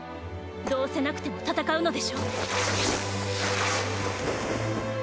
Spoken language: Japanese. どうせなくても戦うのでしょう？